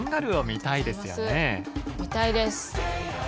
見たいです。